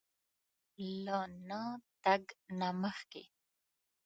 له نه تګ نه مخکې